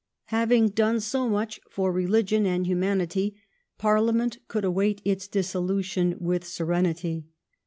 Having done so much for religion and humanity Parliament could await its dissolution with serenity.